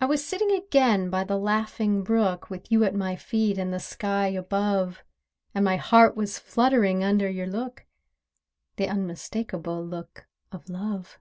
I was sitting again by the laughing brook, With you at my feet, and the sky above, And my heart was fluttering under your look— The unmistakable look of Love.